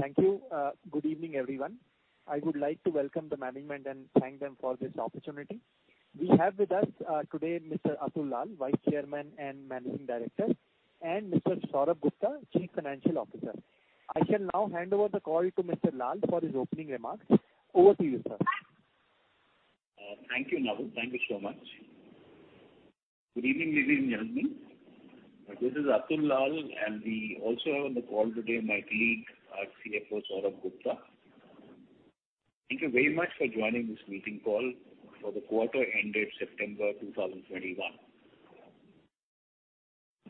Thank you. Good evening, everyone. I would like to welcome the management and thank them for this opportunity. We have with us today Mr. Atul Lall, Vice Chairman and Managing Director, and Mr. Saurabh Gupta, Chief Financial Officer. I shall now hand over the call to Mr. Lall for his opening remarks. Over to you, sir. Thank you, Navin. Thank you so much. Good evening, ladies and gentlemen. My name is Atul Lall, and we also have on the call today my colleague, our CFO, Saurabh Gupta. Thank you very much for joining this meeting call for the quarter ended September 2021.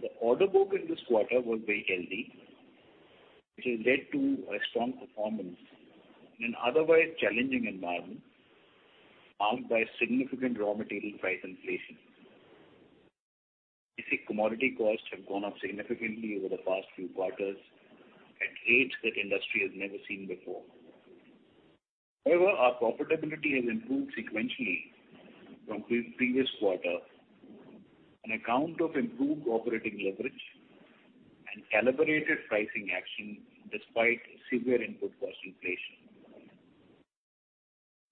The order book in this quarter was very healthy, which has led to a strong performance in an otherwise challenging environment marked by significant raw material price inflation. You see, commodity costs have gone up significantly over the past few quarters at rates that industry has never seen before. However, our profitability has improved sequentially from pre-previous quarter on account of improved operating leverage and calibrated pricing action despite severe input cost inflation.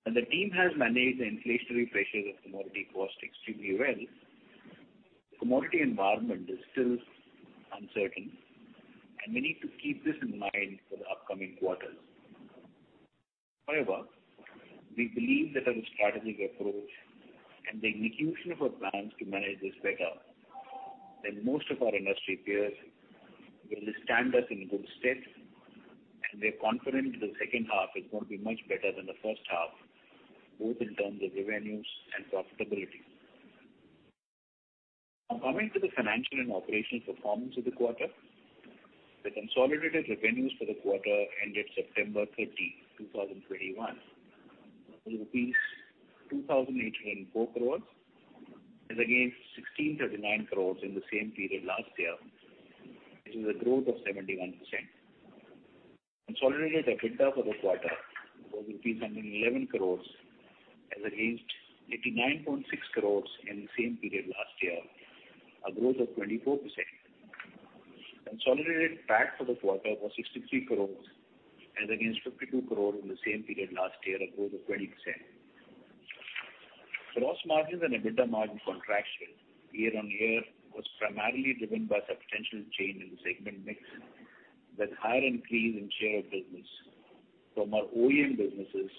The team has managed the inflationary pressures of commodity costs extremely well. The commodity environment is still uncertain, and we need to keep this in mind for the upcoming quarters. However, we believe that our strategic approach and the execution of our plans to manage this better than most of our industry peers will stand us in good stead, and we're confident the second half is gonna be much better than the first half, both in terms of revenues and profitability. Now, coming to the financial and operational performance of the quarter, the consolidated revenues for the quarter ended September 30, 2021, were 2,804 crore as against 1,639 crore in the same period last year, which is a growth of 71%. Consolidated EBITDA for the quarter was rupees 111 crore as against 89.6 crore in the same period last year, a growth of 24%. Consolidated PAT for the quarter was 63 crores as against 52 crore in the same period last year, a growth of 20%. Gross margins and EBITDA margin contraction year-on-year was primarily driven by substantial change in the segment mix, with higher increase in share of business from our OEM businesses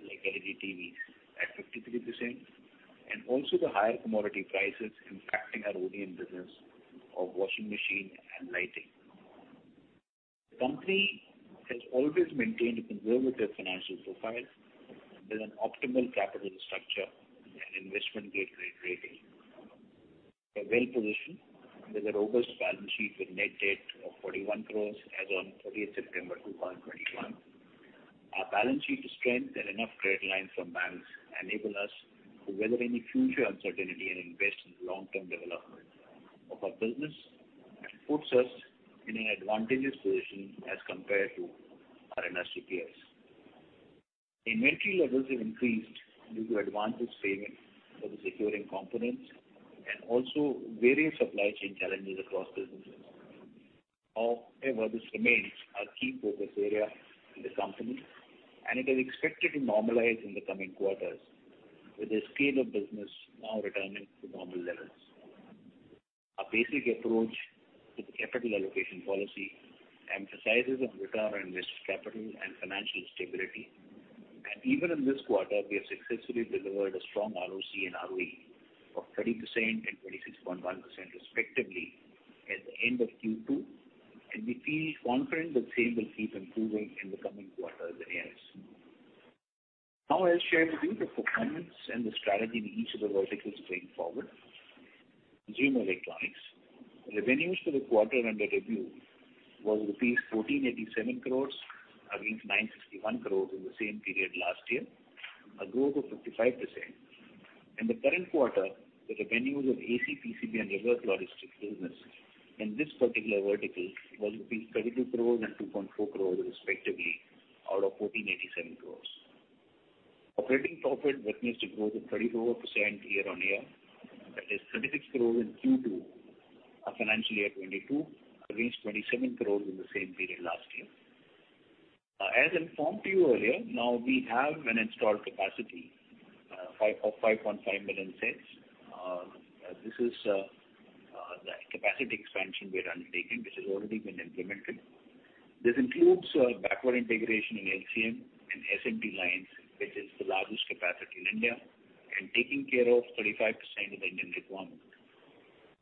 like LED TVs at 53%, and also the higher commodity prices impacting our OEM business of washing machine and lighting. The company has always maintained a conservative financial profile with an optimal capital structure and investment grade credit rating. We're well-positioned with a robust balance sheet with net debt of 41 crores as on 30 September 2021. Our balance sheet strength and enough credit lines from banks enable us to weather any future uncertainty and invest in long-term development of our business and puts us in an advantageous position as compared to our industry peers. Inventory levels have increased due to advance payments for the sourcing components and also various supply chain challenges across businesses. However, this remains our key focus area in the company, and it is expected to normalize in the coming quarters with the scale of business now returning to normal levels. Our basic approach to the capital allocation policy emphasizes on return on invested capital and financial stability. Even in this quarter, we have successfully delivered a strong ROC and ROE of 30% and 26.1%, respectively, at the end of Q2, and we feel confident the same will keep improving in the coming quarters ahead. Now, I'll share with you the performance and the strategy in each of the verticals going forward. Consumer electronics. Revenues for the quarter under review was rupees 1,487 crore against 961 crore in the same period last year, a growth of 55%. In the current quarter, the revenues of AC, PCB and reverse logistics business in this particular vertical was 32 crore and 2.4 crore, respectively, out of 1,487 crore. Operating profit witnessed a growth of 34% year-on-year. That is 36 crore in Q2 of FY 2022 against 27 crore in the same period last year. As informed to you earlier, now we have an installed capacity of 5.5 million sets. This is the capacity expansion we are undertaking, which has already been implemented. This includes backward integration in LCM and SMT lines, which is the largest capacity in India, and taking care of 35% of the Indian requirement.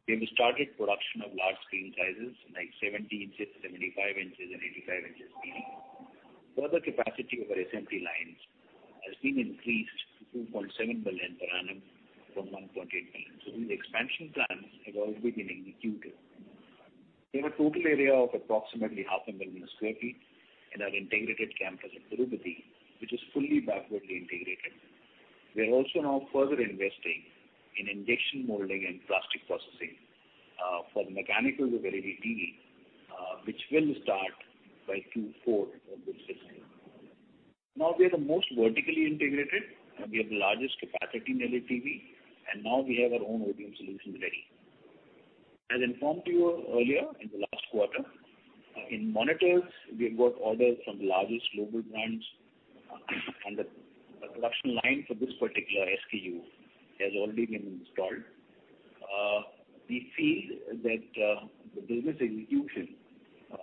We have started production of large screen sizes like 70 in, 75 in and 85 in TV. Further capacity of our SMT lines has been increased to 2.7 million per annum from 1.8 million. These expansion plans have already been executed. We have a total area of approximately 0.5 million sq ft in our integrated campus at Tirupati, which is fully backwardly integrated. We are also now further investing in injection molding and plastic processing for the mechanical LED, which will start by Q4 of this fiscal year. Now, we are the most vertically integrated, and we have the largest capacity in LED TV, and now we have our own ODM solutions ready. As informed to you earlier in the last quarter, in monitors, we have got orders from the largest global brands, and the production line for this particular SKU has already been installed. We feel that the business execution,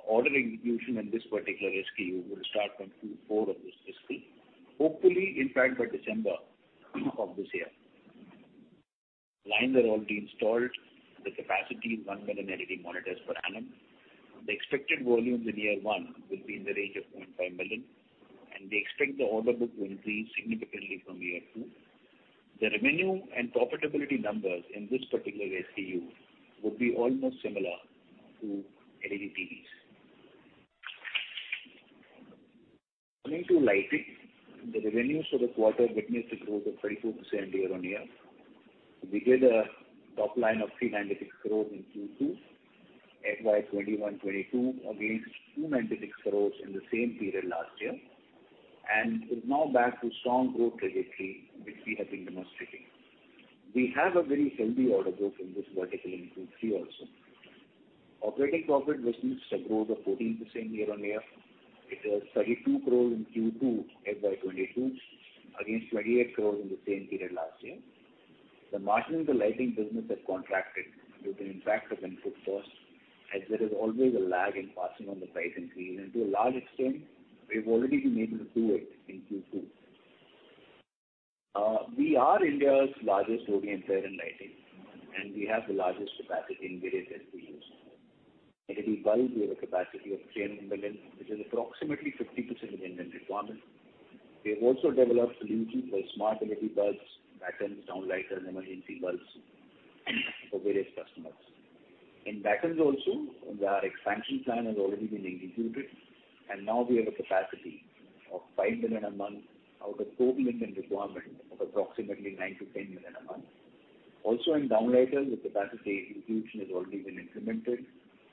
order execution in this particular SKU will start from Q4 of this fiscal. Hopefully, in fact, by December of this year. Lines are already installed. The capacity is 1 million LED monitors per annum. The expected volumes in year one will be in the range of 0.5 million, and we expect the order book to increase significantly from year two. The revenue and profitability numbers in this particular SKU will be almost similar to LED TVs. Coming to lighting, the revenues for the quarter witnessed a growth of 32% year-on-year. We did a top line of 396 crore in Q2 FY 2021-2022 against 296 crore in the same period last year, and is now back to strong growth trajectory, which we have been demonstrating. We have a very healthy order book in this vertical in Q3 also. Operating profit witnessed a growth of 14% year-on-year. It was 32 crore in Q2 FY 2022 against 28 crore in the same period last year. The margin in the lighting business has contracted due to impact of input costs, as there is always a lag in passing on the price increase. To a large extent, we've already been able to do it in Q2. We are India's largest ODM player in lighting, and we have the largest capacity in various SKUs. LED bulbs, we have a capacity of 3 million units, which is approximately 50% of the Indian requirement. We have also developed solutions for smart LED bulbs, battens, downlights, and emergency bulbs for various customers. In battens also, our expansion plan has already been executed, and now we have a capacity of 5 million a month out of total market requirement of approximately 9 million-10 million a month. Also, in downlights, the capacity execution has already been implemented.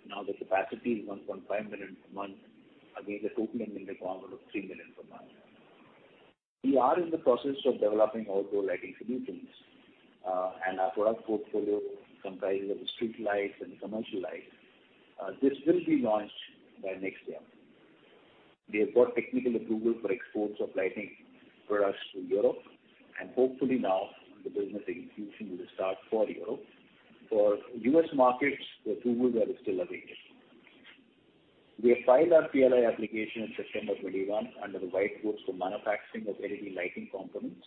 Now, the capacity is 1.5 million per month against the total market requirement of 3 million per month. We are in the process of developing outdoor lighting solutions, and our product portfolio comprises of street lights and commercial lights. This will be launched by next year. We have got technical approval for exports of lighting products to Europe, and hopefully now the business execution will start for Europe. For US markets, the approvals are still awaited. We have filed our PLI application in September 2021 under the White Goods for manufacturing of LED lighting components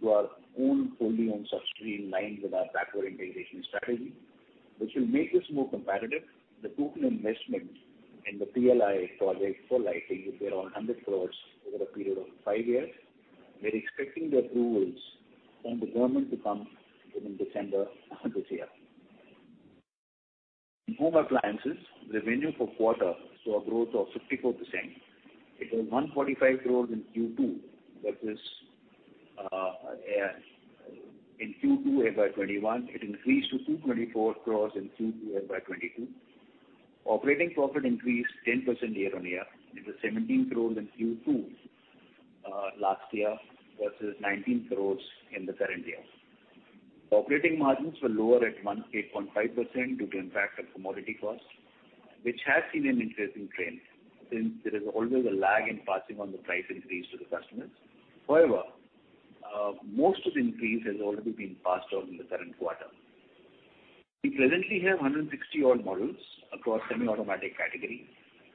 to our own fully owned subsidiary in line with our backward integration strategy, which will make us more competitive. The total investment in the PLI project for lighting will be around 100 crores over a period of five years. We're expecting the approvals from the government to come within December of this year. In home appliances, revenue for quarter saw a growth of 54%. It was 145 crores in Q2 versus in Q2 FY 2021. It increased to 224 crores in Q2 FY 2022. Operating profit increased 10% year-on-year. It was 17 crore in Q2 last year versus 19 crore in the current year. Operating margins were lower at 18.5% due to impact of commodity costs, which has been an increasing trend since there is always a lag in passing on the price increase to the customers. However, most of the increase has already been passed on in the current quarter. We presently have 160-odd models across semi-automatic category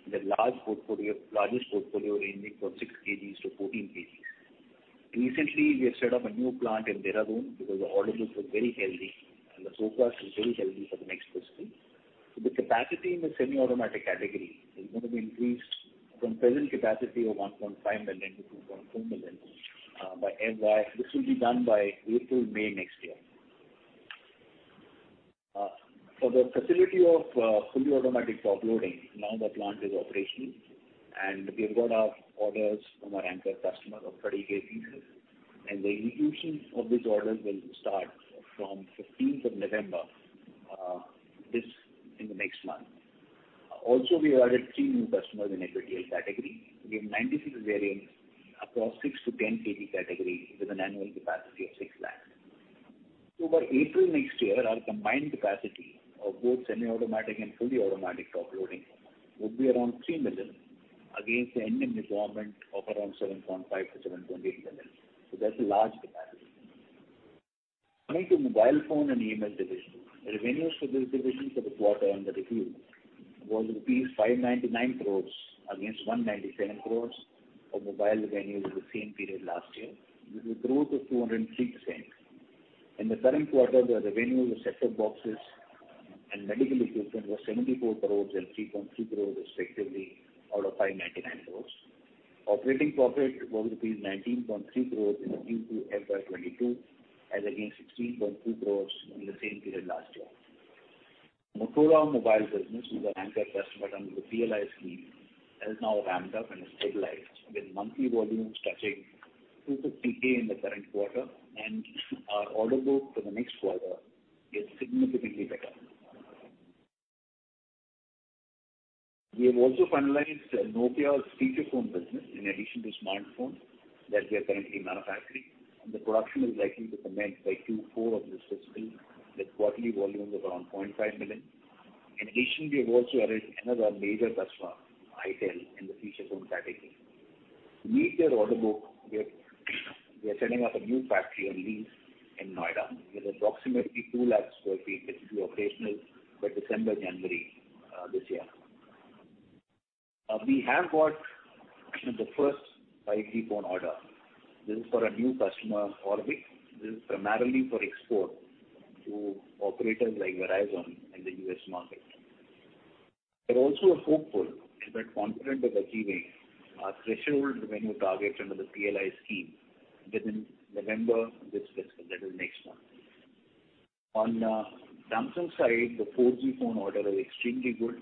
with a large portfolio, largest portfolio ranging from 6 kg to 14 kg. Recently, we have set up a new plant in Dehradun because the order book was very healthy, and the forecast is very healthy for the next fiscal. The capacity in the semi-automatic category is going to be increased from present capacity of 1.5 million to 2.4 million by FY--this will be done by April, May next year. For the facility of fully automatic top loading, now the plant is operational, and we have got our orders from our anchor customer of 30K pieces, and the execution of these orders will start from 15th of November in the next month. Also, we added three new customers in HDA category. We have 96 variants across 6 kg-10 kg category with an annual capacity of 6 lakh. By April next year, our combined capacity of both semi-automatic and fully automatic top loading would be around 3 million against the Indian requirement of around 7.5 million-7.8 million. That's a large capacity. Coming to mobile phone and EMS division. Revenues for this division for the quarter under review was rupees 599 crores against 197 crores of mobile revenues in the same period last year. This is a growth of 203%. In the current quarter, the revenues for set-top boxes and medical equipment was 74 crores and 3.3 crores, respectively, out of 599 crores. Operating profit was rupees 19.3 crores in Q2 FY 2022 as against 16.2 crores in the same period last year. Motorola mobile business with our anchor customer under the PLI scheme has now ramped up and is stabilized, with monthly volumes touching 250,000 in the current quarter, and our order book for the next quarter is significantly better. We have also finalized Nokia's feature phone business, in addition to smartphones that we are currently manufacturing, and the production is likely to commence by Q4 of this fiscal with quarterly volumes of around 0.5 million. In addition, we have also added another major customer, itel, in the feature phone category. To meet their order book, we are setting up a new factory on lease in Noida with approximately 2 lakh sq ft, which will be operational by December, January, this year. We have got the first 5G phone order. This is for a new customer, Orbic. This is primarily for export to operators like Verizon in the U.S. market. We're also hopeful and quite confident of achieving our threshold revenue targets under the PLI scheme within November this fiscal, that is next month. On Samsung side, the 4G phone order is extremely good.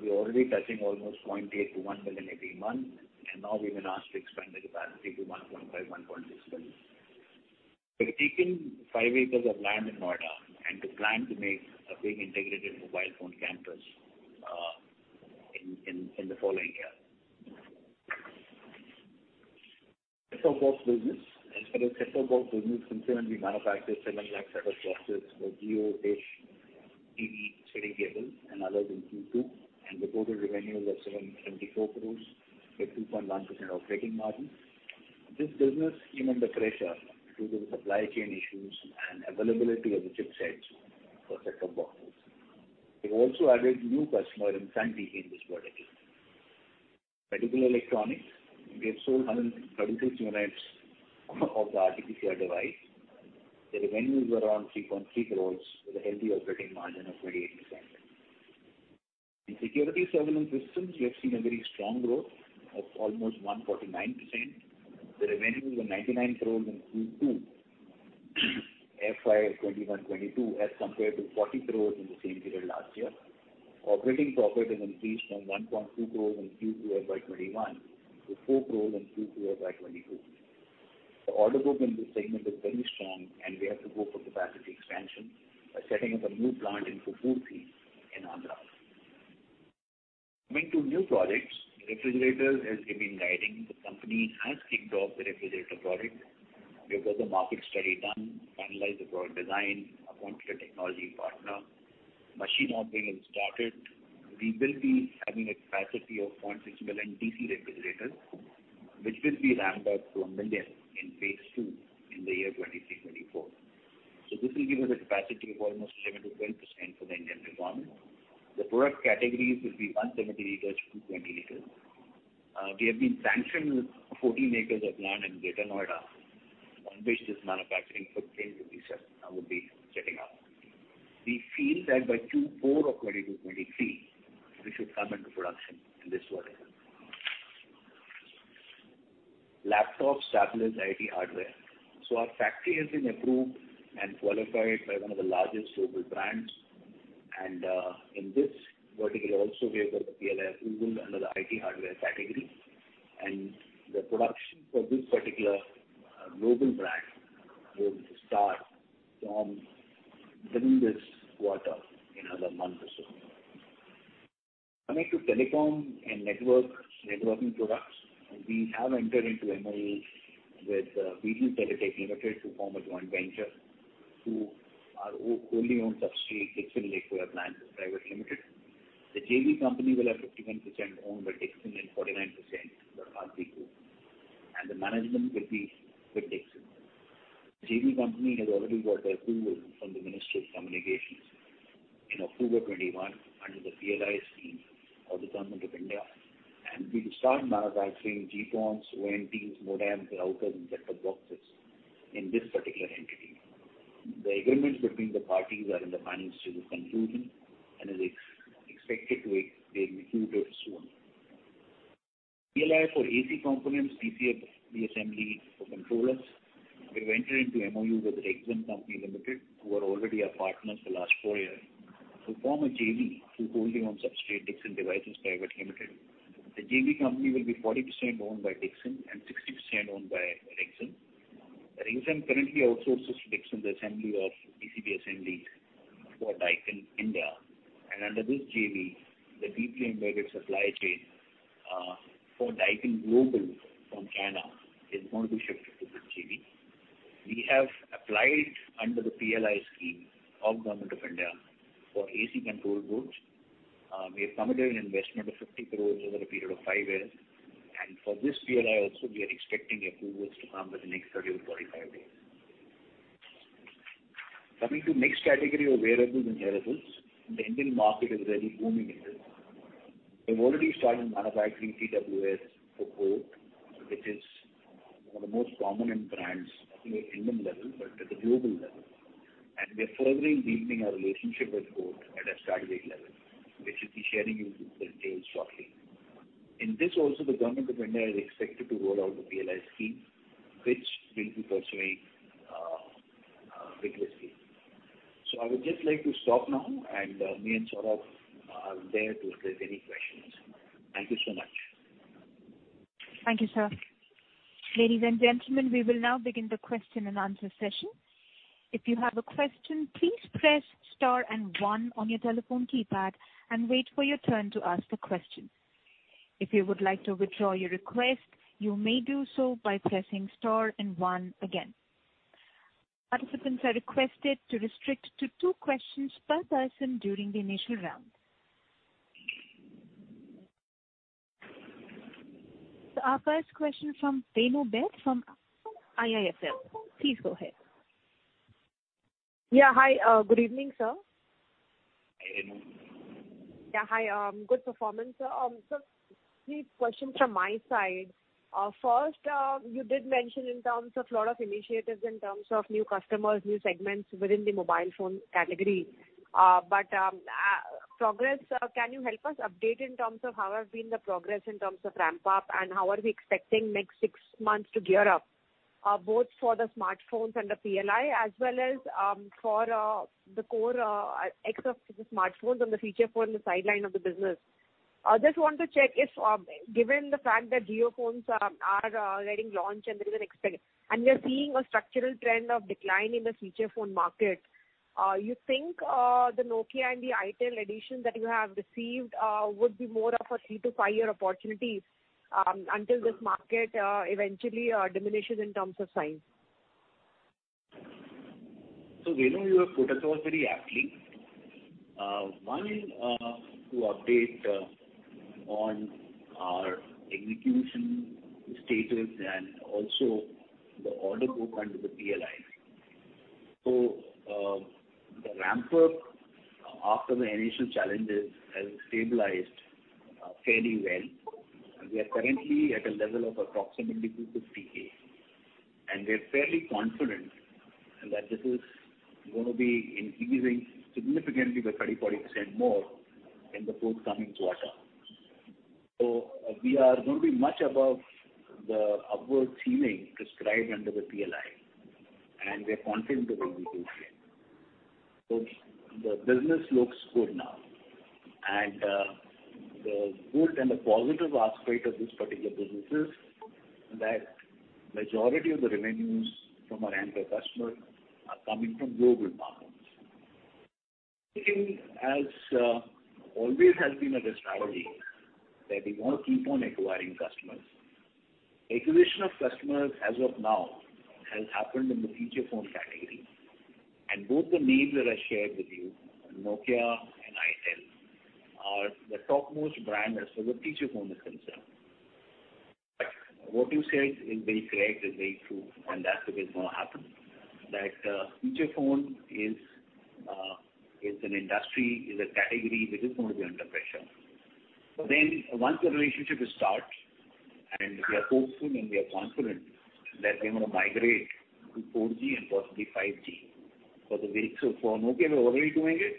We're already touching almost 0.8 million-1 million units every month, and now we've been asked to expand the capacity to 1.5 million-1.6 million units. We've taken five acres of land in Noida, and we plan to make a big integrated mobile phone campus in the following year. Set-top box business. As for the set-top box business, since then, we manufactured INR 7 lakh set-top boxes for Jio, Dish TV, Sun Direct, and others in Q2, and the total revenues are 7.4 crore, with 2.1% operating margin. This business came under pressure due to the supply chain issues and availability of the chipsets for set-top boxes. We have also added new customer, Siti, in this vertical. Medical electronics, we have sold 132 units of the RT PCR device. The revenues were around 3.3 crore, with a healthy operating margin of 28%. In security surveillance systems, we have seen a very strong growth of almost 149%. The revenues were 99 crore in Q2 FY 2021-2022 as compared to 40 crore in the same period last year. Operating profit has increased from 1.2 crore in Q2 FY 2021 to 4 crore in Q2 FY 2022. The order book in this segment is very strong, and we have to go for capacity expansion by setting up a new plant in Kukatpally in Telangana. Coming to new projects, refrigerators has remained guiding. The company has kicked off the refrigerator project. We have got the market study done, finalized the product design, appointed a technology partner. Machine onboarding has started. We will be having a capacity of 0.6 million DC refrigerators, which will be ramped up to 1 million in phase two in the year 2023-2024. This will give us a capacity of almost 7%-10% for the Indian requirement. The product categories will be 170 l-220 l. We have been sanctioned with 14 acres of land in Greater Noida, on which this manufacturing footprint will be setting up. We feel that by Q4 of 2022-2023, we should come into production in this quarter. Laptops, tablets, IT hardware. Our factory has been approved and qualified by one of the largest global brands. In this vertical also, we have got the PLI approval under the IT hardware category. The production for this particular global brand will start from within this quarter, in another month or so. Coming to telecom and networking products, we have entered into MOUs with Beetel Teletech Limited to form a joint venture through our wholly owned subsidiary Dixon Telecom Plant Private Limited. The JV company will have 51% owned by Dixon and 49% by Bharti Group, and the management will be with Dixon. The JV company has already got the approval from the Ministry of Communications in October of 2021 under the PLI scheme of the Government of India. We will start manufacturing GPONs, ONTs, modems, routers and set-top boxes in this particular entity. The agreements between the parties are in the final stage of conclusion, and is expected to be concluded soon. PLI for AC components, PCB assembly for controllers. We've entered into MOU with Rexxam Co., Ltd., who are already our partners for the last four years, to form a JV through wholly owned subsidiary Dixon Devices Private Limited. The JV company will be 40% owned by Dixon and 60% owned by Rexxam. Rexxam currently outsources to Dixon the assembly of PCB assemblies for Daikin India. Under this JV, the deeply embedded supply chain for Daikin Global from China is going to be shifted to this JV. We have applied under the PLI scheme of Government of India for AC control boards. We have committed an investment of 50 crores over a period of five years. For this PLI also, we are expecting approvals to come within the next 30 or 45 days. Coming to next category of wearables and hearables. The Indian market is really booming in this. We've already started manufacturing TWS for Kodak, which is, one of the most prominent brands, not only at Indian level, but at the global level. We are further deepening our relationship with Kodak at a strategic level, which we'll be sharing with you the details shortly. In this also, the Government of India is expected to roll out the PLI scheme, which we'll be pursuing, vigorously. I would just like to stop now, and me and Saurabh are there to address any questions. Thank you so much. Thank you, sir. Ladies and gentlemen, we will now begin the question-and-answer session. If you have a question, please press star and one on your telephone keypad and wait for your turn to ask a question. If you would like to withdraw your request, you may do so by pressing star and one again. Participants are requested to restrict to two questions per person during the initial round. Our first question from Renu Baid from IIFL. Please go ahead. Yeah. Hi. Good evening, sir. Good evening. Yeah. Hi. Good performance, sir. Three questions from my side. First, you did mention in terms of lot of initiatives in terms of new customers, new segments within the mobile phone category. Progress, can you help us update in terms of how has been the progress in terms of ramp up, and how are we expecting next six months to gear up, both for the smartphones and the PLI, as well as for the core, except for the smartphones and the feature phone, the sideline of the business. I just want to check if, given the fact that JioPhone are getting launched and there is an expect, and we are seeing a structural trend of decline in the feature phone market. You think the Nokia and the itel addition that you have received would be more of a three to five-year opportunity until this market eventually diminishes in terms of size. Renu, you have put us all very aptly. One, to update on our execution status and also the order book under the PLI. The ramp up after the initial challenges has stabilized fairly well. We are currently at a level of approximately 250K, and we're fairly confident that this is gonna be increasing significantly by 30%-40% more in the forthcoming quarter. We are gonna be much above the upward ceiling prescribed under the PLI, and we are confident of execution. The business looks good now, and the good and the positive aspect of this particular business is that majority of the revenues from our Android customers are coming from global markets. As always has been as a strategy that we want to keep on acquiring customers. Acquisition of customers, as of now, has happened in the feature phone category. Both the names that I shared with you, Nokia and itel, are the topmost brand as far as feature phone is concerned. What you said is very correct, is very true, and that's what is gonna happen. That, feature phone is an industry, is a category which is gonna be under pressure. Once the relationship is start, and we are hopeful and we are confident that they're gonna migrate to 4G and possibly 5G smartphone. Nokia, we're already doing it.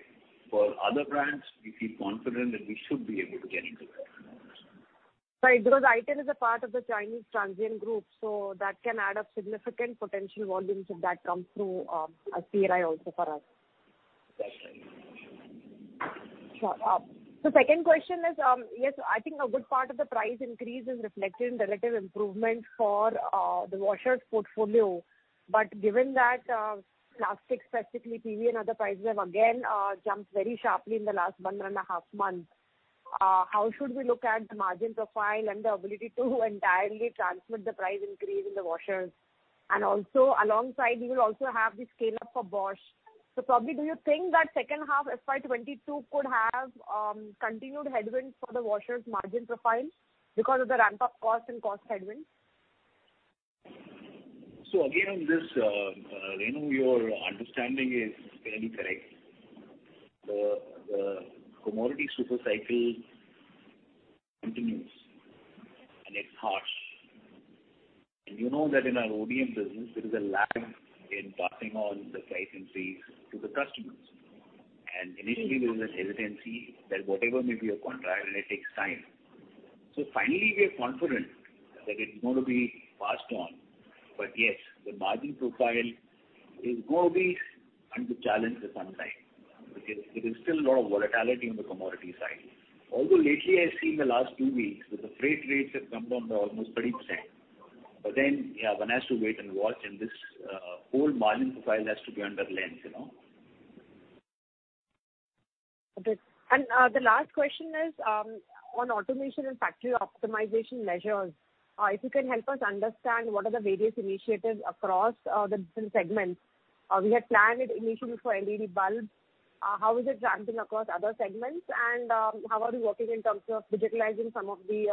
For other brands, we feel confident that we should be able to get into that. Right. Because itel is a part of the Chinese Transsion Group, that can add up significant potential volumes if that comes through, as PLI also for us. That's right. Sure. Second question is, yes, I think a good part of the price increase is reflected in relative improvement for the washers portfolio. Given that plastics, specifically PP and other prices have again jumped very sharply in the last one and a half months, how should we look at the margin profile and the ability to entirely transmit the price increase in the washers? Also, alongside, you will also have the scale up for Bosch. Probably do you think that second half FY 2022 could have continued headwinds for the washers margin profile because of the ramp-up cost and cost headwinds? Again, on this, Renu, your understanding is fairly correct. The commodity super cycle continues, and it's harsh. You know that in our ODM business there is a lag in passing on the price increase to the customers. Initially there is a hesitancy that whatever may be your contract, and it takes time. Finally we are confident that it's going to be passed on. Yes, the margin profile is going to be under challenge for some time. There is still a lot of volatility on the commodity side. Although lately, I've seen the last two weeks that the freight rates have come down by almost 30%. Yeah, one has to wait and watch, and this whole margin profile has to be under lens, you know. Okay. The last question is on automation and factory optimization measures. If you can help us understand what are the various initiatives across the different segments. We had planned it initially for LED bulbs. How is it tracking across other segments, and how are you working in terms of digitalizing some of the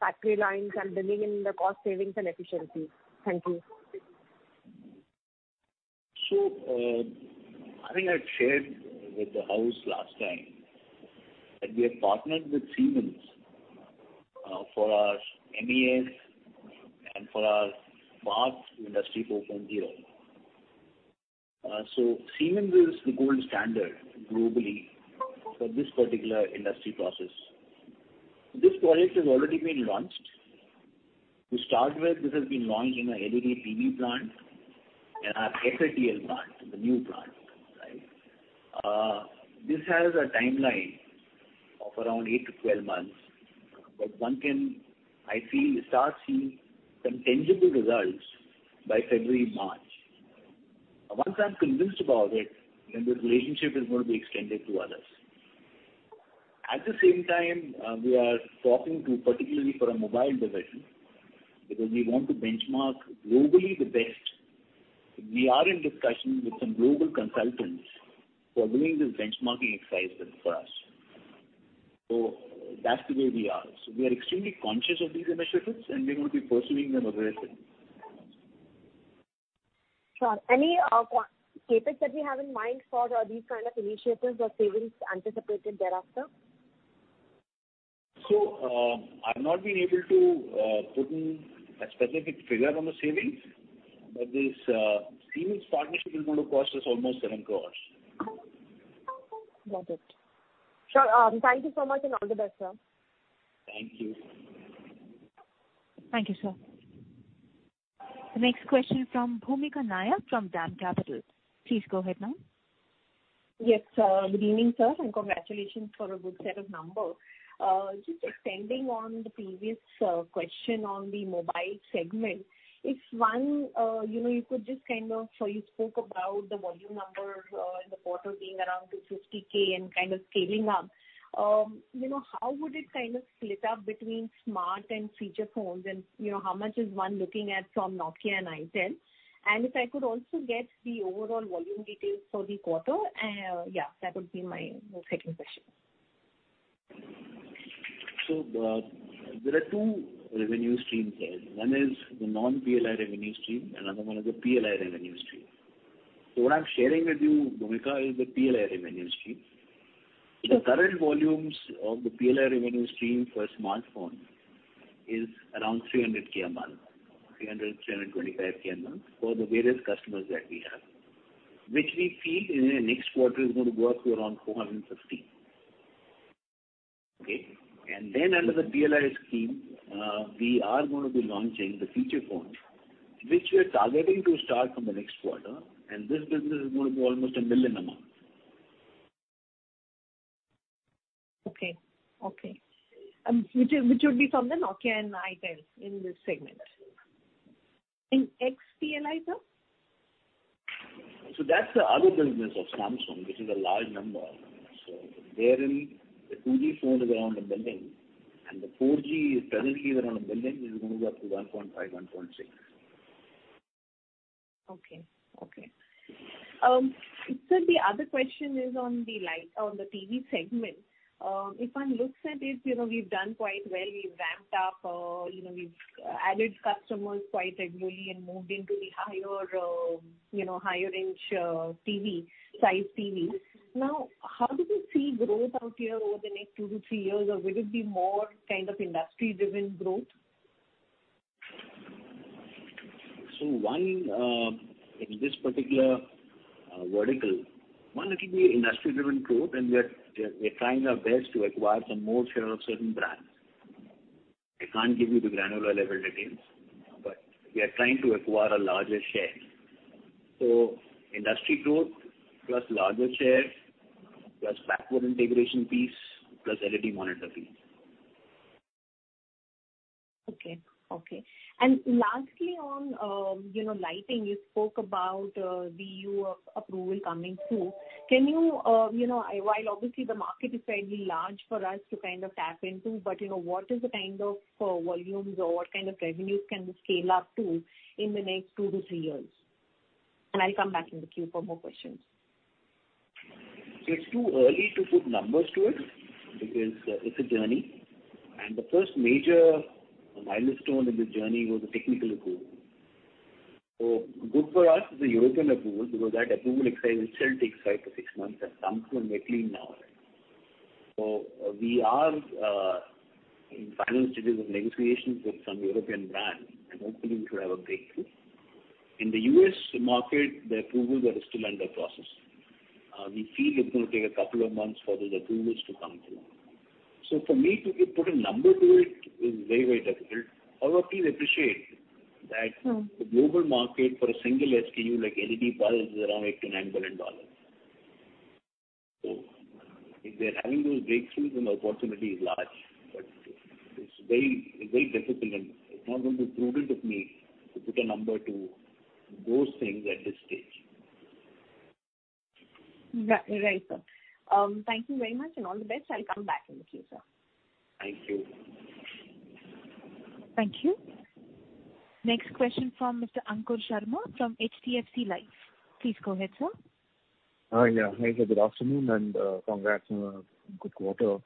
factory lines and delivering the cost savings and efficiency? Thank you. I think I'd shared with the house last time that we have partnered with Siemens for our MES and for our Path to Industry 4.0. Siemens is the gold standard globally for this particular industry process. This project has already been launched. To start with, this has been launched in our LED TV plant and our SATL plant, the new plant. This has a timeline of around eight to 12 months, but one can, I feel, start seeing some tangible results by February-March. Once I'm convinced about it, then this relationship is going to be extended to others. At the same time, we are talking to particularly for our mobile division because we want to benchmark globally the best. We are in discussion with some global consultants for doing this benchmarking exercise for us. That's the way we are. We are extremely conscious of these initiatives and we're going to be pursuing them aggressively. Sure. Any CapEx that we have in mind for these kind of initiatives, or savings anticipated thereafter? I've not been able to put in a specific figure on the savings, but this seamless partnership is going to cost us almost 7 crore. Got it. Sure. Thank you so much and all the best, sir. Thank you. Thank you, sir. The next question from Bhoomika Nair from DAM Capital. Please go ahead, ma'am. Yes, good evening, sir, and congratulations for a good set of numbers. Just extending on the previous question on the mobile segment. You spoke about the volume numbers in the quarter being around 250,000 and kind of scaling up. You know, how would it kind of split up between smart and feature phones and, you know, how much is one looking at from Nokia and itel? If I could also get the overall volume details for the quarter. Yeah, that would be my second question. There are two revenue streams there. One is the non-PLI revenue stream, another one is the PLI revenue stream. What I'm sharing with you, Bhoomika, is the PLI revenue stream. Okay. The current volumes of the PLI revenue stream for smartphone is around 325K a month for the various customers that we have, which we feel in the next quarter is going to go up to around 450K, okay. Then under the PLI scheme, we are going to be launching the feature phone, which we're targeting to start from the next quarter. This business is going to be almost 1 million a month. Okay, which would be from the Nokia and itel in this segment, ex-PLI, sir? That's the other business of Samsung, which is a large number. Therein, the 2G phones is around 1 million, and the 4G is presently around 1 million. This is going to be up to 1.5 million-1.6 million. Okay, sir, the other question is on the TV segment. If one looks at it, you know, we've done quite well. We've ramped up, you know, we've added customers quite regularly and moved into the higher, you know, higher inch TV, size TV. Now, how do you see growth out here over the next two to three years? Or will it be more kind of industry-driven growth? One, in this particular vertical, it will be industry-driven growth, and we're trying our best to acquire some more share of certain brands. I can't give you the granular level details, but we are trying to acquire a larger share. Industry growth plus larger share plus backward integration piece plus LED monitor piece. Okay. Lastly, on, you know, lighting, you spoke about the E.U. approval coming through. Can you know, while obviously the market is fairly large for us to kind of tap into, but, you know, what is the kind of volumes or what kind of revenues can we scale up to in the next two to three years? I'll come back in the queue for more questions. It's too early to put numbers to it because it's a journey. The first major milestone in this journey was the technical approval. Good for us is the European approval, because that approval exercise itself takes five to six months and Samsung, we're making now. We are in final stages of negotiations with some European brands, and hopefully we should have a breakthrough. In the U.S. market, the approval, there is still in process. We feel it's going to take a couple of months for those approvals to come through. For me to put a number to it is very, very difficult. However, please appreciate that- Sure.... the global market for a single SKU, like LED bulbs, is around $8 billion-$9 billion. If we are having those breakthroughs, then the opportunity is large. It's very, very difficult, and it's not going to be prudent of me to put a number to those things at this stage. Right, sir. Thank you very much, and all the best. I'll come back in the queue, sir. Thank you. Thank you. Next question from Mr. Ankur Sharma from HDFC Life. Please go ahead, sir. Yeah. Hey, good afternoon and, congrats on a good quarter.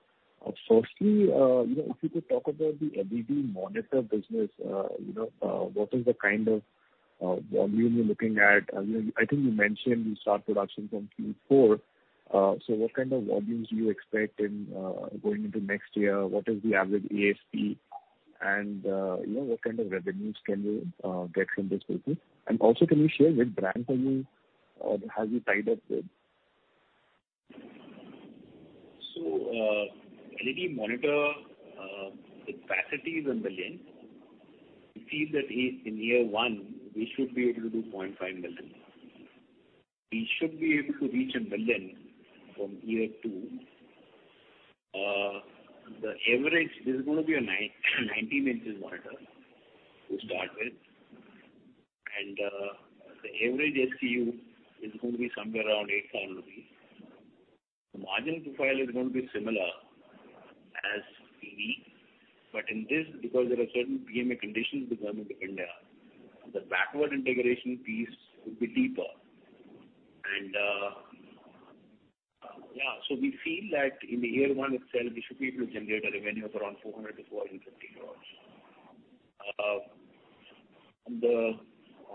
Firstly, you know, if you could talk about the LED monitor business. You know, what is the kind of volume you're looking at? I mean, I think you mentioned you start production from Q4. So what kind of volumes do you expect in going into next year? What is the average ASP? And, you know, what kind of revenues can you get from this business? And also, can you share which brands have you tied up with? LED monitor is 1 million. We feel that in year one we should be able to do 0.5 million. We should be able to reach 1 million from year two. The average is going to be a 19-inch monitor to start with. The average SKU is going to be somewhere around 8,000 rupees. The margin profile is going to be similar as TV in this because there are certain PMA conditions which are going to be there, the backward integration piece would be deeper. We feel that in year one itself we should be able to generate a revenue of around 400 crore-450 crore.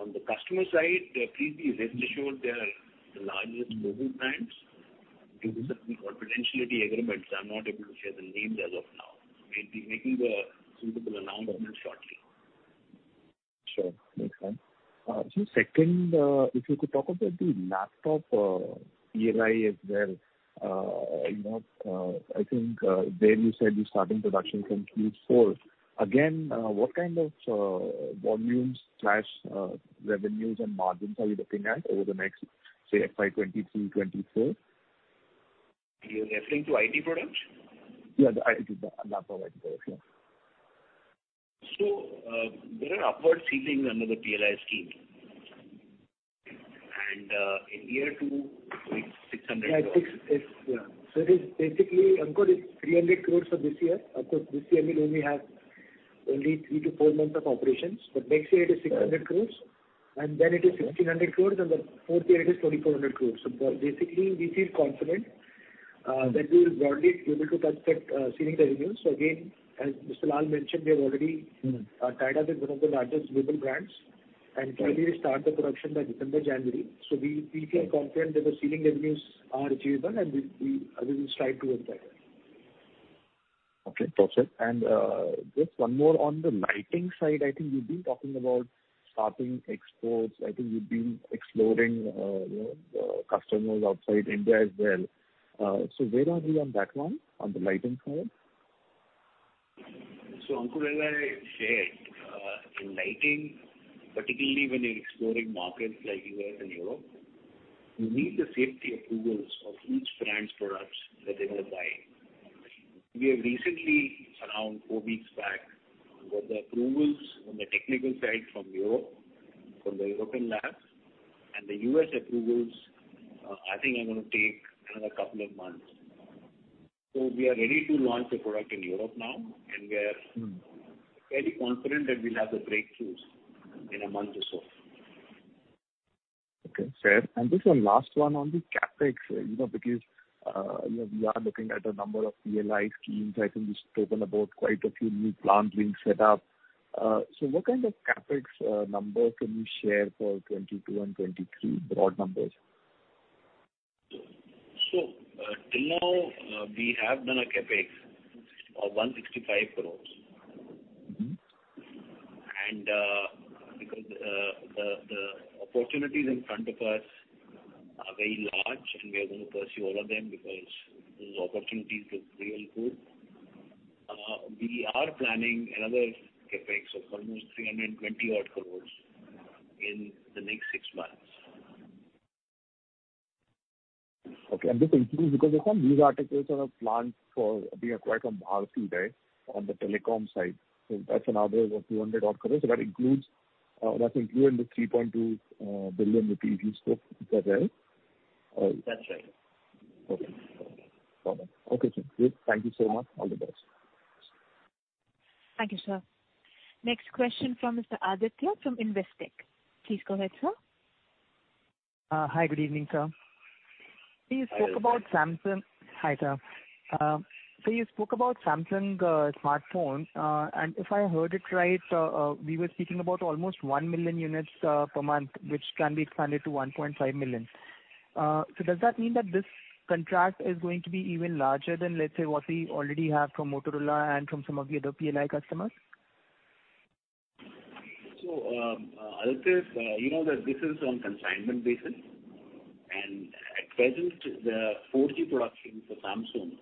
On the customer side, please rest assured they are the largest global brands. These are potential agreements. I'm not able to share the names as of now. We'll be making the formal announcement shortly. Sure. Makes sense. Second, if you could talk about the laptop PLI as well. You know, I think, there you said you're starting production from Q4. Again, what kind of volumes/revenues and margins are you looking at over the next, say, FY 2022-2024? You're referring to IT products? Yeah, the IT, the laptop IT products, yeah. There are upward ceilings under the PLI scheme. In year two it's 600 crore. Yeah. It is basically, Ankur, 300 crores for this year. Of course, this year we'll only have three to four months of operations, but next year it is 600 crores, and then it is 1,600 crores, and the fourth year it is 2,400 crores. Basically, we feel confident that we'll broadly be able to touch that ceiling revenues. Again, as Mr. Lall mentioned, we have already- Mm-hmm. We tied up with one of the largest global brands. Currently start the production by December, January. We will strive towards that. Okay. Perfect. Just one more on the lighting side, I think you've been talking about starting exports. I think you've been exploring customers outside India as well. Where are we on that one, on the lighting side? Ankur, as I shared, in lighting, particularly when you're exploring markets like U.S. and Europe, you need the safety approvals of each brand's products that they will buy. We have recently, around four weeks back, got the approvals on the technical side from Europe, from the European labs. The U.S. approvals, I think are gonna take another couple of months. We are ready to launch a product in Europe now. Mm-hmm. Very confident that we'll have the breakthroughs in a month or so. Okay. Fair. Just one last one on the CapEx, you know, because, you know, we are looking at a number of PLI schemes. I think you've spoken about quite a few new plants being set up. What kind of CapEx number can you share for 2022 and 2023, broad numbers? Till now, we have done a CapEx of 165 crore. Mm-hmm. Because the opportunities in front of us are very large, and we are gonna pursue all of them because those opportunities look real good. We are planning another CapEx of almost 320 crore in the next six months. Okay. This includes, because I saw news articles on a plant being acquired from Bharti on the telecom side, that's another 200-odd crore. That includes, that's included in the 3.2 billion rupees you spoke as well? That's right. Okay. Got it. Okay, sir. Good. Thank you so much. All the best. Thank you, sir. Next question from Mr. Aditya from Investec. Please go ahead, sir. Hi. Good evening, sir. Hi, Aditya. You spoke about Samsung. Hi, sir. You spoke about Samsung smartphone. If I heard it right, we were speaking about almost 1 million units per month, which can be expanded to 1.5 million. Does that mean that this contract is going to be even larger than, let's say, what we already have from Motorola and from some of the other PLI customers? Aditya, you know that this is on consignment basis. At present the 4G production for Samsung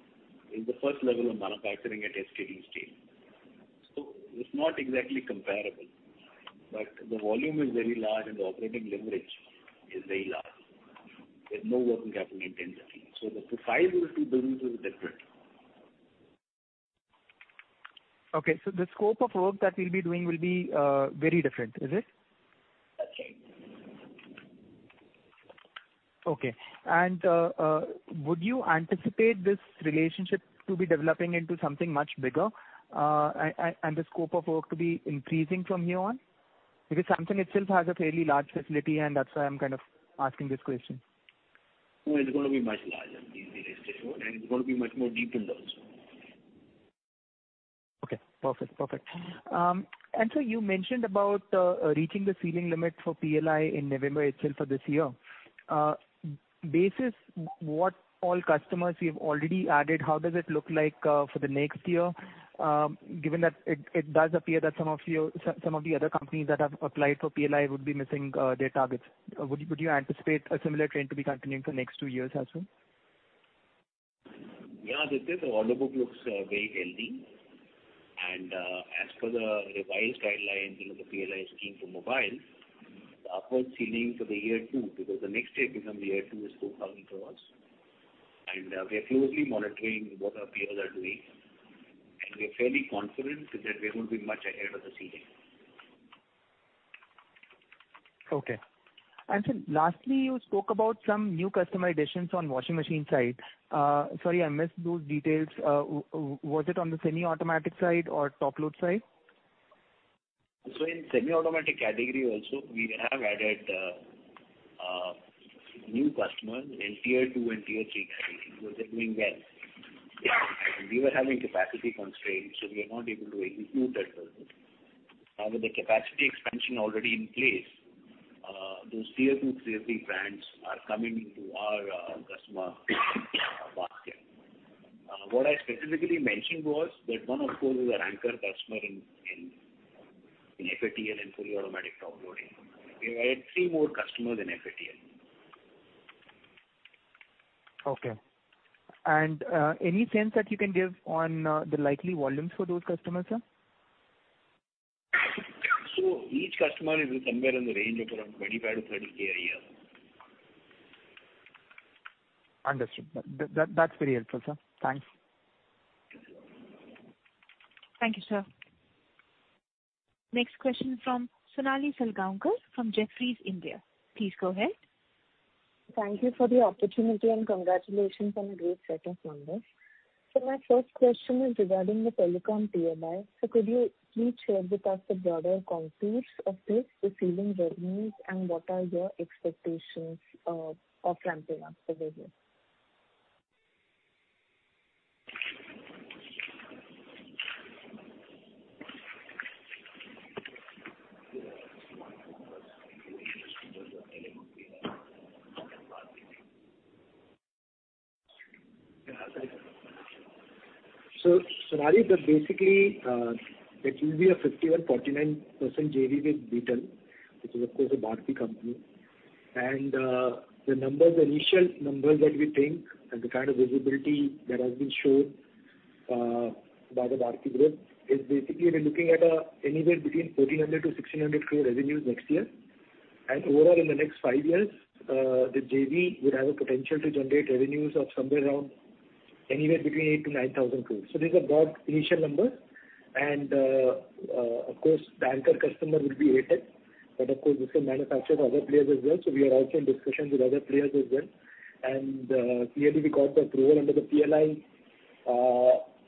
is the first level of manufacturing at SKD stage. It's not exactly comparable, but the volume is very large and the operating leverage is very large. There's no working capital intensity. The profile of the business is different. Okay. The scope of work that we'll be doing will be very different, is it? That's right. Okay. Would you anticipate this relationship to be developing into something much bigger, and the scope of work to be increasing from here on? Because Samsung itself has a fairly large facility, and that's why I'm kind of asking this question. No, it's gonna be much larger, the scale. It's gonna be much more deepened also. Perfect. Sir, you mentioned about reaching the ceiling limit for PLI in November itself for this year. Basis what all customers you've already added, how does it look like for the next year? Given that it does appear that some of the other companies that have applied for PLI would be missing their targets, would you anticipate a similar trend to be continuing for next two years as well? The order book looks very healthy. As per the revised guidelines in the PLI scheme for mobile, the upward ceiling for year two, because the next year becomes year two, is INR 4,000 crore. We are closely monitoring what our peers are doing, and we are fairly confident that we will be much ahead of the ceiling. Okay. Sir, lastly, you spoke about some new customer additions on the washing machine side. Sorry, I missed those details. Was it on the semi-automatic side or top load side? In semi-automatic category also, we have added new customers in tier 2 and tier 3 categories. Those are doing well. Yeah. We were having capacity constraints, so we are not able to execute that well. Now with the capacity expansion already in place, those tier 2, tier 3 brands are coming into our customer basket. What I specifically mentioned was that one of those is our anchor customer in FATL and fully-automatic top-loading. We have three more customers in FATL. Okay. Any sense that you can give on the likely volumes for those customers, sir? Each customer is somewhere in the range of around 25,000-30,000 a year. Understood. That's very helpful, sir. Thanks. Thank you, sir. Next question from Sonali Salgaonkar from Jefferies India. Please go ahead. Thank you for the opportunity, and congratulations on a great set of numbers. My first question is regarding the telecom PLI. Could you please share with us the broader contours of this, the ceiling revenues, and what are your expectations of ramping up the business? Sonali, that basically it will be a 50% and 49% JV with Airtel, which is of course a Bharti company. The numbers, the initial numbers that we think and the kind of visibility that has been shown by the Bharti Group is basically we're looking at anywhere between 1,400 crore-1,600 crore revenues next year. Overall, in the next five years, the JV would have a potential to generate revenues of somewhere around anywhere between 8,000 crore-9,000 crore. These are broad initial numbers. Of course, the anchor customer will be Airtel. But of course, this will manufacture for other players as well, so we are also in discussions with other players as well. Clearly, we got the approval under the PLI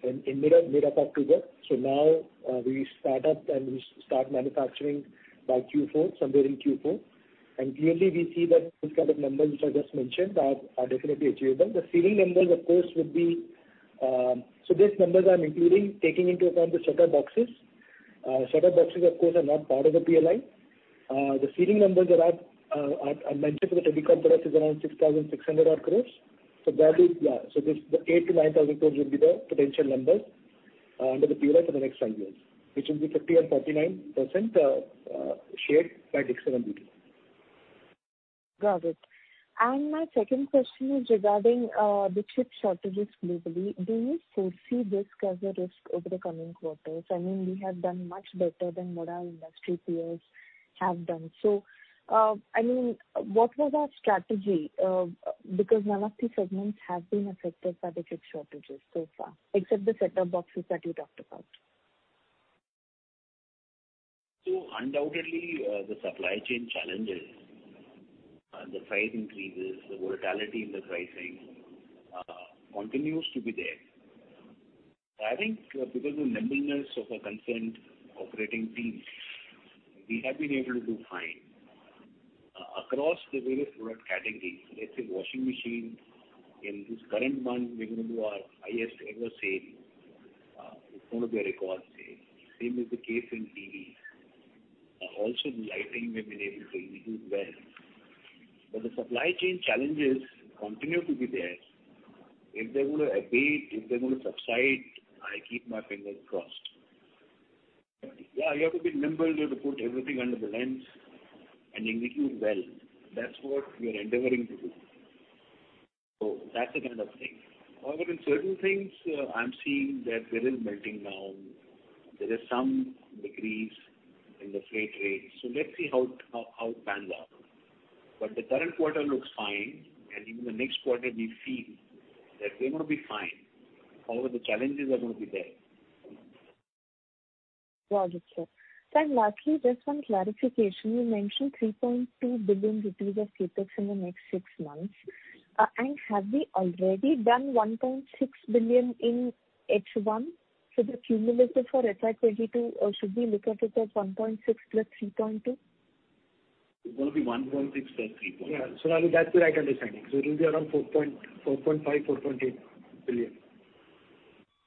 in mid-October. Now, we start up and we start manufacturing by Q4, somewhere in Q4. Clearly, we see that those kind of numbers which I just mentioned are definitely achievable. The ceiling numbers of course would be, these numbers are including taking into account the set-top boxes. Set-top boxes of course are not part of the PLI. The ceiling numbers that I've mentioned for the TV comparables is around 6,600 odd crores. Broadly, yeah. This, the 8,000 crore-9,000 crore will be the potential numbers under the PLI for the next five years, which will be 50% and 49% shared by Dixon and Airtel. Got it. My second question is regarding the chip shortages globally. Do you foresee this as a risk over the coming quarters? I mean, we have done much better than what our industry peers have done. I mean, what was our strategy? Because none of the segments have been affected by the chip shortages so far, except the set-top boxes that you talked about. Undoubtedly, the supply chain challenges, the price increases, the volatility in the pricing, continues to be there. I think because of the nimbleness of our concerned operating teams, we have been able to do fine. Across the various product categories, let's say washing machine, in this current month we're gonna do our highest ever sale. It's gonna be a record sale. Same is the case in TV. Also the lighting we've been able to execute well. The supply chain challenges continue to be there. If they're gonna abate, if they're gonna subside, I keep my fingers crossed. Yeah, you have to be nimble. You have to put everything under the lens and execute well. That's what we are endeavoring to do. That's the kind of thing. However, in certain things, I'm seeing that there is slowing down. There is some decrease in the freight rates. Let's see how it pans out. The current quarter looks fine. Even the next quarter we feel that we're gonna be fine. However, the challenges are gonna be there. Got it, sir. Lastly, just one clarification. You mentioned 3.2 billion rupees of CapEx in the next six months. Have we already done 1.6 billion in H1? The cumulative for FY 2022, should we look at it as 1.6 plus 3.2? It's gonna be 1.6 plus 3.2. Yeah. Sonali, that's the right understanding. It will be around INR 4.4 billion, 4.5 billion, 4.8 billion.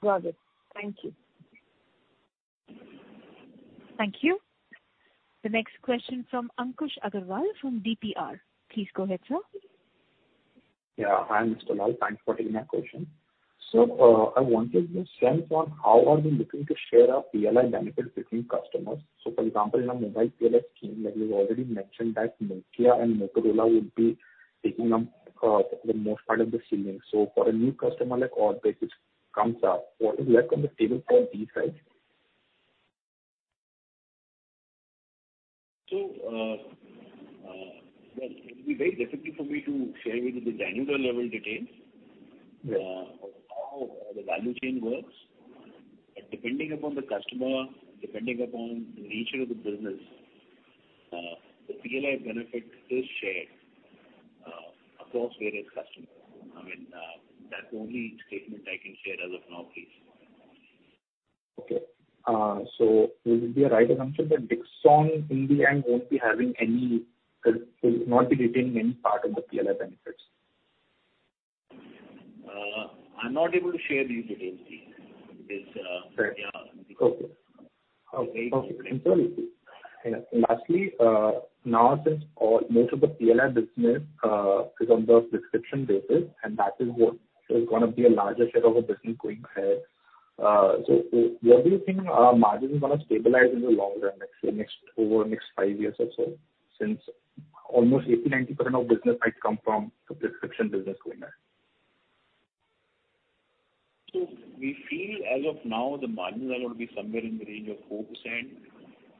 Got it. Thank you. Thank you. The next question from Ankush Agarwal from DPR. Please go ahead, sir. Yeah. Hi, Mr. Lall. Thanks for taking my question. Sir, I wanted a sense on how are we looking to share our PLI benefit between customers. For example, in a mobile PLI scheme that you already mentioned that Nokia and Motorola would be taking up, the most part of the ceiling. For a new customer like Orbic which comes up, what is left on the table for these guys? Well, it will be very difficult for me to share with you the granular level details. Yeah. Of how the value chain works. Depending upon the customer, depending upon the nature of the business, the PLI benefit is shared across various customers. I mean, that's the only statement I can share as of now, please. Okay, will it be a right assumption that Dixon in the end will not be retaining any part of the PLI benefits? I'm not able to share these details, please. Fair. Yeah. Okay. It's very confidential. Okay. Thirdly, yeah. Lastly, now since almost all of the PLI business is on the prescription basis, and that is what is gonna be a larger share of the business going ahead. So, where do you think margin is gonna stabilize in the long run, let's say over the next five years or so, since almost 80%-90% of business might come from the prescription business going ahead? We feel as of now the margins are gonna be somewhere in the range of 4%,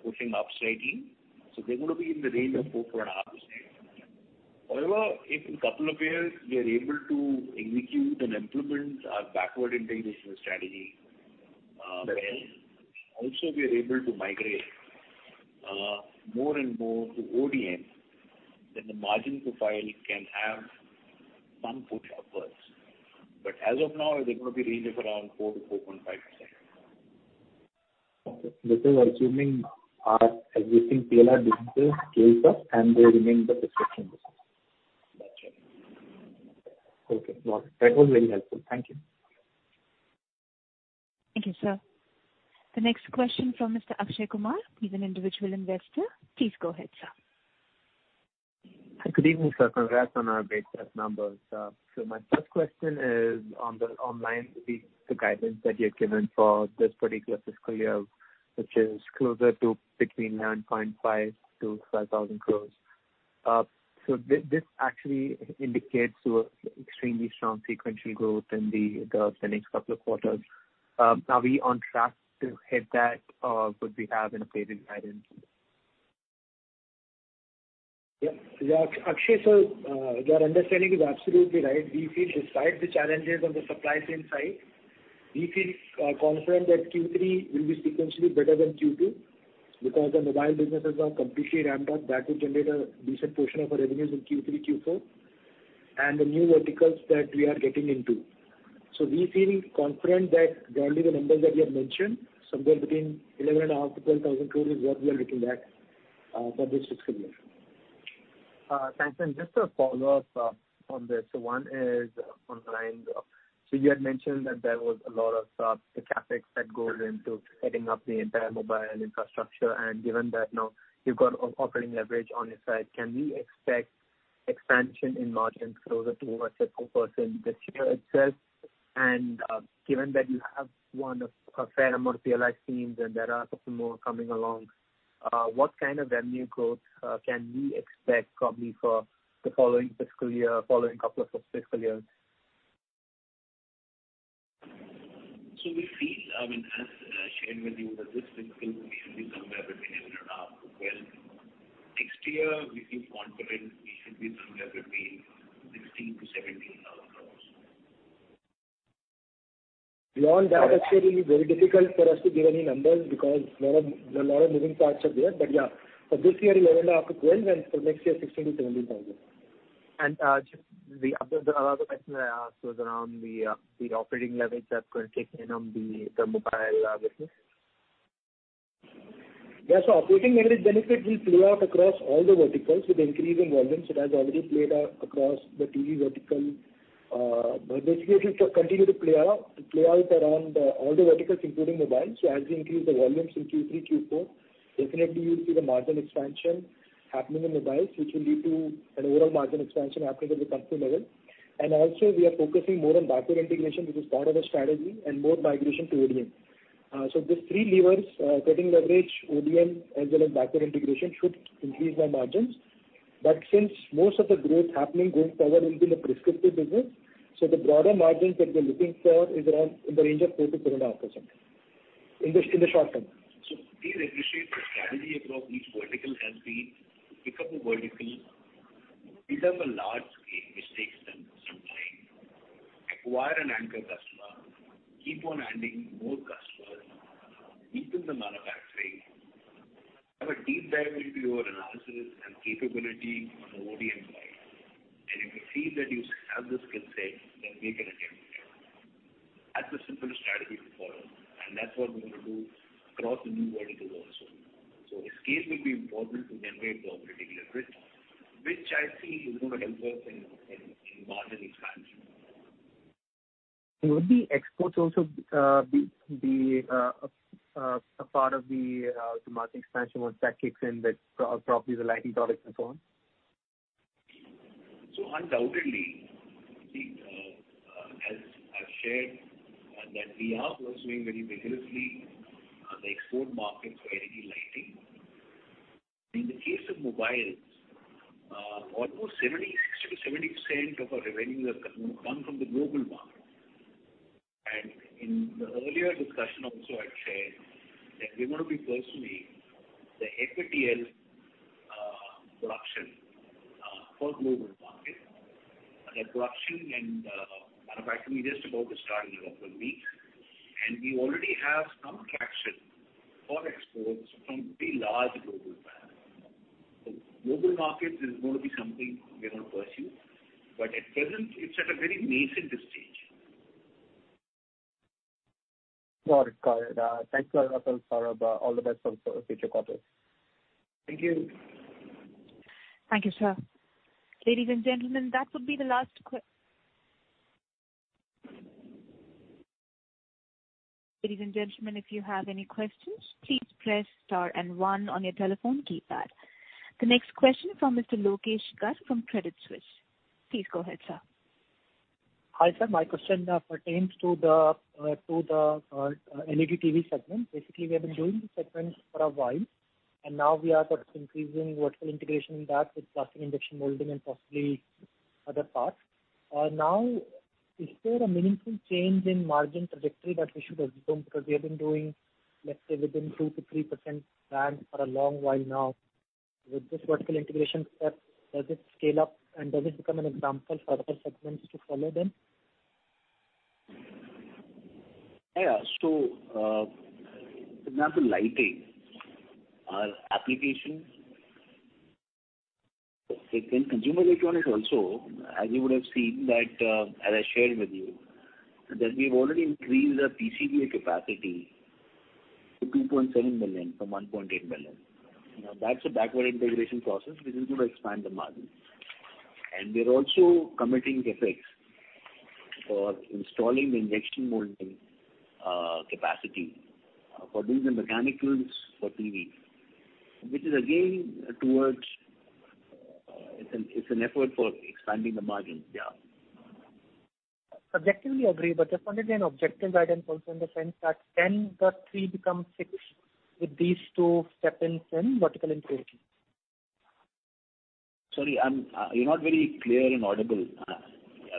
picking up slightly. They're gonna be in the range of 4.5%. However, if in a couple of years we are able to execute and implement our backward integration strategy, also we are able to migrate more and more to ODM, then the margin profile can have some push upwards. As of now, they're gonna be in the range of around 4%-4.5%. Okay. This is assuming our existing PLI business scales up and they remain the principal business. That's right. Okay. Got it. That was very helpful. Thank you. Thank you, sir. The next question from Mr. Akshay Kumar. He's an individual investor. Please go ahead, sir. Good evening, sir. Congrats on our great set of numbers. My first question is on the outlook, the guidance that you've given for this particular fiscal year, which is closer to between 950 crore-5,000 crore. This actually indicates extremely strong sequential growth in the next couple of quarters. Are we on track to hit that? Could we have an updated guidance? Akshay, your understanding is absolutely right. We feel, despite the challenges on the supply chain side, we feel confident that Q3 will be sequentially better than Q2 because the mobile businesses are completely ramped up. That will generate a decent portion of our revenues in Q3, Q4, and the new verticals that we are getting into. We feel confident that generally the numbers that we have mentioned, somewhere between 11,500 crore-12,000 crore is what we are looking at for this fiscal year. Thanks. Just a follow-up on this. One is online. You had mentioned that there was a lot of the CapEx that goes into setting up the entire mobile infrastructure. Given that now you've got operating leverage on your side, can we expect expansion in margins closer towards 6% this year itself? Given that you have won a fair amount of PLI schemes and there are some more coming along, what kind of revenue growth can we expect probably for the following fiscal year, following couple of fiscal years? We feel, I mean, as shared with you that this fiscal year will be somewhere INR 11,500 crore-INR 12,000 crore. Next year, we feel confident we should be somewhere INR 16,000 crore-INR 17,000 crore. Beyond that, Akshay, it'll be very difficult for us to give any numbers because lot of moving parts are there. Yeah, for this year, 11,500-12,000 crore, and for next year, 16,000-17,000 crore. Just the other question I asked was around the operating leverage that's gonna kick in on the mobile business. Yes. Operating leverage benefit will play out across all the verticals with increasing volumes. It has already played out across the TV vertical. Basically, it will continue to play out around all the verticals including mobile. As we increase the volumes in Q3, Q4, definitely you'll see the margin expansion happening in mobile, which will lead to an overall margin expansion happening at the company level. Also, we are focusing more on backward integration, which is part of our strategy and more migration to ODM. These three levers, operating leverage, ODM as well as backward integration should increase our margins. Since most of the growth happening going forward will be in the prescriptive business, the broader margins that we're looking for is around in the range of 4%-4.5% in the short term. We reiterate the strategy across each vertical has been to pick up a vertical, build up a large scale which takes them some time, acquire an anchor customer, keep on adding more customers, deepen the manufacturing, have a deep dive into your analysis and capability on the ODM side. If you feel that you have the skill set, then make an attempt. That's the simple strategy to follow. That's what we're gonna do across the new verticals also. Scale will be important to generate the operating leverage, which I feel is gonna help us in margin expansion. Would the exports also be a part of the margin expansion once that kicks in with probably the lighting products and so on? Undoubtedly, as I've shared that we are pursuing very vigorously the export market for LED lighting. In the case of mobiles, almost 60%-70% of our revenue has come from the global market. In the earlier discussion also, I'd shared that we're gonna be pursuing the HPTL production for global market. The production and manufacturing is just about to start in a couple of weeks. We already have some traction for exports from a large global brand. Global market is going to be something we're gonna pursue, but at present it's at a very nascent stage. Got it. Thanks a lot, Saurabh. All the best for future quarters. Thank you. Thank you, sir. Ladies and gentlemen, if you have any questions, please press star and one on your telephone keypad. The next question from Mr. Lokesh Garg from Credit Suisse. Please go ahead, sir. Hi, sir. My question pertains to the LED TV segment. Basically, we have been doing this segment for a while, and now we are sort of increasing vertical integration in that with plastic injection molding and possibly other parts. Now, is there a meaningful change in margin trajectory that we should assume? Because we have been doing, let's say within 2%-3% band for a long while now. With this vertical integration step, does it scale up and does it become an example for other segments to follow then? For example, lighting, our application. In consumer electronics also, as you would have seen that, as I shared with you, that we've already increased our PCBA capacity to 2.7 million from 1.8 million. Now, that's a backward integration process which is going to expand the margin. We are also committing CapEx for installing the injection molding capacity for doing the mechanicals for TV. Which is again towards, it's an effort for expanding the margins. Subjectively agree, but just wanted an objective guidance also in the sense that can the 3% become 6% with these two step-ins in vertical integration? Sorry, I'm, you're not very clear and audible.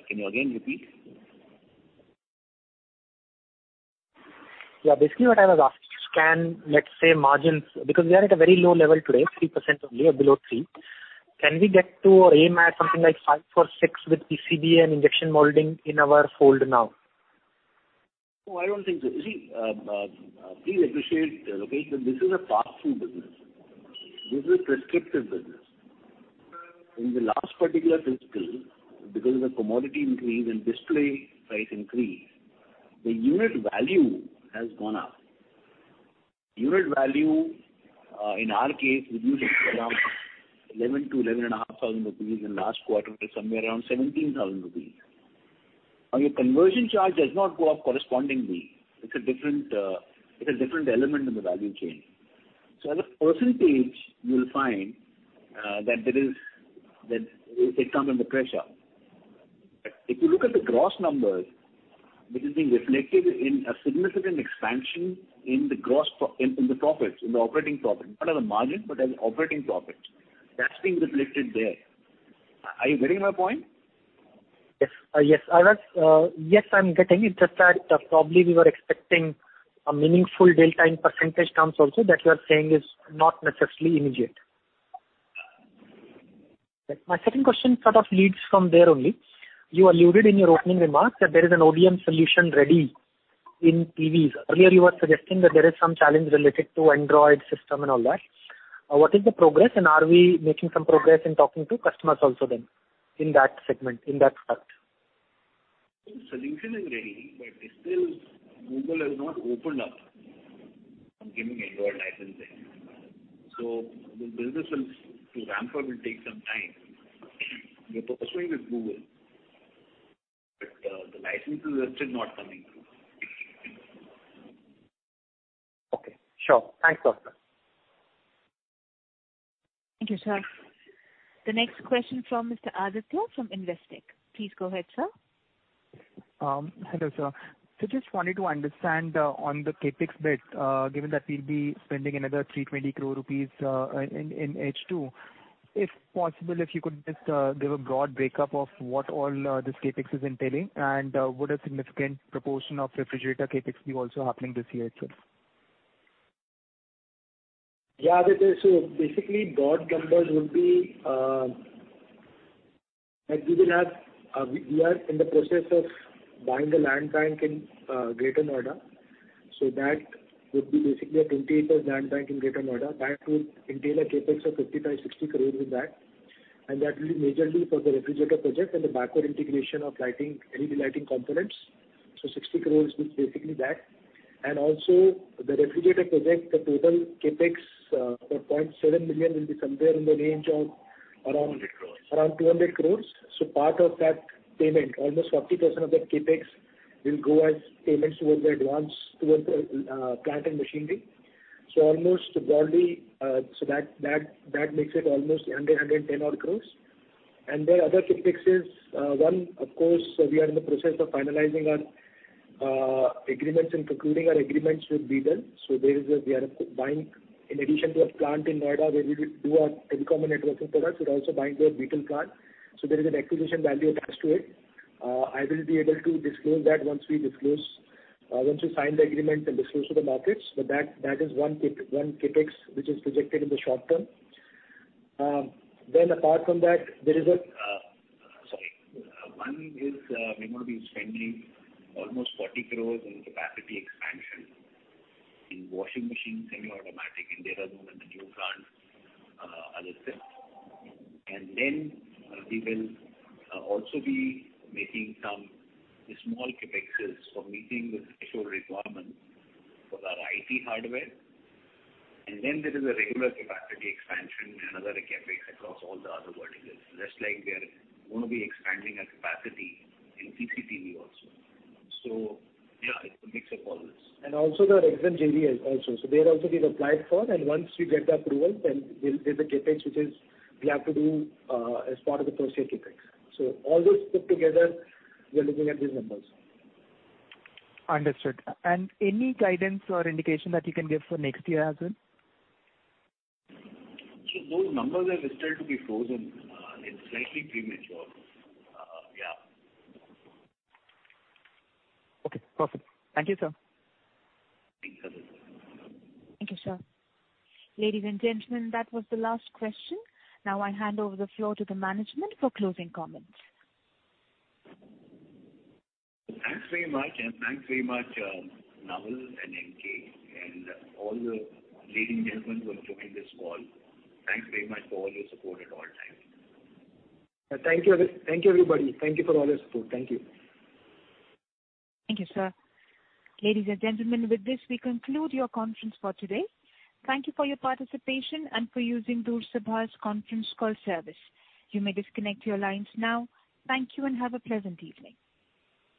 Can you again repeat? Yeah. Basically, what I was asking, can, let's say margins, because we are at a very low level today, 3% only or below 3%. Can we get to or aim at something like 5% or 6% with PCBA and injection molding in our fold now? No, I don't think so. You see, please appreciate, Lokesh, that this is a fast-moving business. This is a competitive business. In the last particular fiscal, because of the commodity increase and display price increase, the unit value has gone up. Unit value in our case reduced around 11,000-11,500 rupees in last quarter to somewhere around 17,000 rupees. Now, your conversion charge does not go up correspondingly. It's a different element in the value chain. So as a percentage you will find that it come under pressure. But if you look at the gross numbers, which is being reflected in a significant expansion in the gross profits, in the operating profits, not as a margin but as operating profits, that's being reflected there. Are you getting my point? Yes, I'm getting it. Just that probably we were expecting a meaningful delta in percentage terms also that you are saying is not necessarily immediate. My second question sort of leads from there only. You alluded in your opening remarks that there is an ODM solution ready in TVs. Earlier you were suggesting that there is some challenge related to Android system and all that. What is the progress, and are we making some progress in talking to customers also then in that segment, in that aspect? The solution is ready, but still Google has not opened up on giving Android license there. The business will take some time to ramp up. We are pursuing with Google, but the licenses are still not coming through. Okay. Sure. Thanks a lot, sir. Thank you, sir. The next question from Mr. Aditya from Investec. Please go ahead, sir. Hello sir. Just wanted to understand on the CapEx bit, given that we'll be spending another 320 crore rupees in H2. If possible, if you could just give a broad breakup of what all this CapEx is entailing. Would a significant proportion of refrigerator CapEx be also happening this year itself? Basically, broad numbers would be, like we are in the process of buying a land bank in Greater Noida. That would be basically a 20 acres land bank in Greater Noida. That will entail a CapEx of 50 crore-60 crore with that, and that will be majorly for the refrigerator project and the backward integration of lighting, LED lighting components. 60 crore is basically that. Also the refrigerator project, the total CapEx for 0.7 million will be somewhere in the range of around- 200 crore. Around 200 crore. Part of that payment, almost 40% of that CapEx, will go as payments towards the advance towards the plant and machinery. Almost broadly, that makes it almost 110 odd crores. Other CapEx is, of course, we are in the process of finalizing and concluding our agreements with Beetel. We are buying in addition to a plant in Noida, where we do our telecom and networking products. We're also buying the Beetel plant, so there is an acquisition value attached to it. I will be able to disclose that once we sign the agreement and disclose to the markets. That is one CapEx which is projected in the short term. Apart from that, there is a- One is, we're gonna be spending almost 40 crore in capacity expansion in washing machines, semi-automatic, in Dehradun, in the new plant, other things. We will also be making some small CapExes for meeting the special requirements for our IT hardware. There is a regular capacity expansion and other CapEx across all the other verticals. Just like we are going to be expanding our capacity in CCTV also. Yeah, it's a mix of all this. Also, the Rexxam JV also. There also we've applied for and once we get the approval, then there's a CapEx which is we have to do, as part of the first year CapEx. All this put together, we are looking at these numbers. Understood. Any guidance or indication that you can give for next year as well? Those numbers are still to be frozen. It's slightly premature. Yeah. Okay, perfect. Thank you, sir. Thank you. Thank you, sir. Ladies and gentlemen, that was the last question. Now, I hand over the floor to the management for closing comments. Thanks very much. Thanks very much, Naval and NK, and all the ladies and gentlemen who have joined this call. Thanks very much for all your support at all times. Thank you. Thank you everybody. Thank you for all your support. Thank you. Thank you, sir. Ladies and gentlemen, with this, we conclude your conference for today. Thank you for your participation and for using Door Sabha's conference call service. You may disconnect your lines now. Thank you and have a pleasant evening.